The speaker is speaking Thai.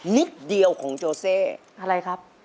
นิดเดียวของโจเซอะไรครับ